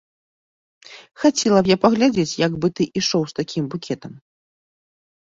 Хацела б я паглядзець, як бы ты ішоў з такім букетам.